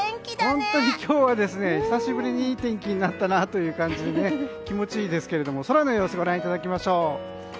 本当に今日は久しぶりにいい天気になったなという感じで気持ちいいですけれども空の様子ご覧いただきましょう。